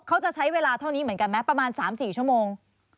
เขาจะใช้เวลาเท่านี้เหมือนกันไหมประมาณ๓๔ชั่วโมง